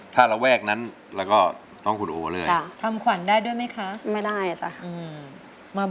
แฟนของเราสิไม่มา